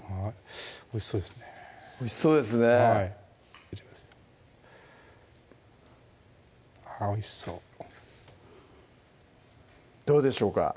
おいしそうですねおいしそうですねはいあおいしそうどうでしょうか？